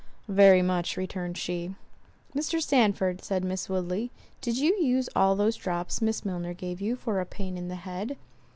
"Very much," returned she. "Mr. Sandford," said Miss Woodley, "did you use all those drops Miss Milner gave you for a pain in the head?"